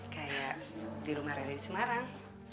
kayak di rumah rel di semarang